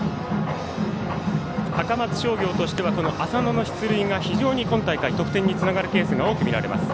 高松商業としては浅野の出塁が非常に今大会得点につながるケースが多く見られます。